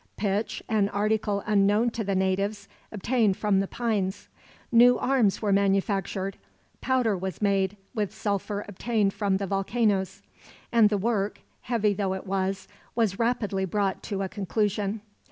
Pitch, an article unknown to the natives, obtained from the pines. New arms were manufactured. Powder was made, with sulphur obtained from the volcanoes. And the work, heavy though it was, was rapidly brought to a conclusion.